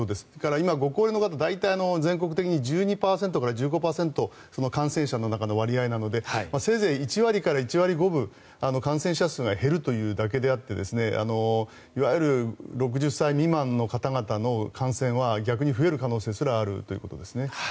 今、ご高齢の方は全国的に１２％から１５％ぐらいの感染者の中の割合なのでせいぜい１割から１割５分感染者数が減るというだけであっていわゆる６０歳未満の方々の感染は逆に増える可能性すらあるということです。